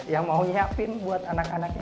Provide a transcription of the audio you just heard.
yang mau nyiapin buat anak anaknya